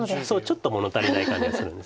ちょっと物足りない感じがするんです。